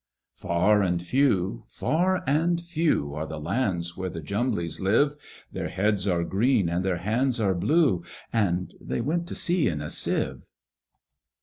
Far and few, far and few, Are the lands where the Jumblies live; Their heads are green, and their hands are blue, And they went to sea in a Sieve.